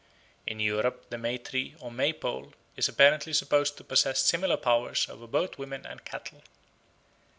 In Europe the May tree or May pole is apparently supposed to possess similar powers over both women and cattle.